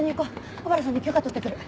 小原さんに許可取ってくる。